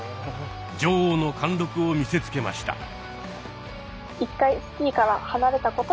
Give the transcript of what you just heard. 女王の貫禄を見せつけました。